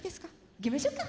いきましょうか。